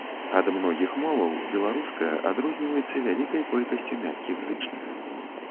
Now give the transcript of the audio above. Ад многіх моваў беларуская адрозніваецца вялікай колькасцю мяккіх зычных.